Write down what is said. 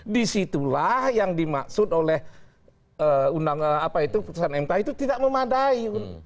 disitulah yang dimaksud oleh undang apa itu keputusan mk itu tidak memadai